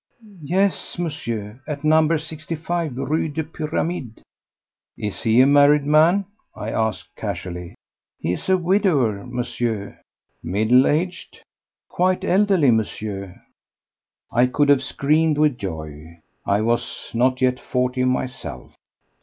"Yes, Monsieur, at number sixty five Rue des Pyramides." "Is he a married man?" I asked casually. "He is a widower, Monsieur." "Middle aged?" "Quite elderly, Monsieur." I could have screamed with joy. I was not yet forty myself.